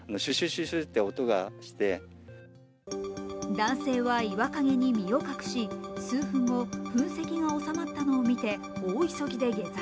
男性は岩陰に身を隠し、数分後、噴石が収まったのを見て大急ぎで下山。